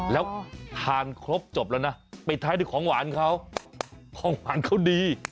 แล้วทานครบจบแล้วนะปิดท้ายด้วยของหวานเขาของหวานเขาดี